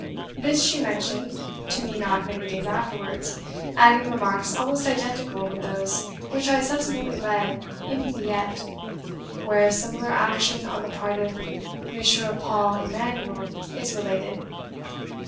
This she mentioned to me not many days afterwards, adding remarks almost identical with those which I subsequently read in 'Villette,' where a similar action on the part of M. Paul Emanuel is related.